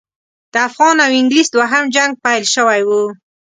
د افغان او انګلیس دوهم جنګ پیل شوی وو.